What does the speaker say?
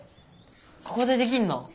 ここでできんの？